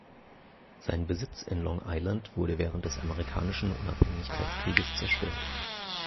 Sein Besitz in Long Island wurde während des Amerikanischen Unabhängigkeitskrieges zerstört.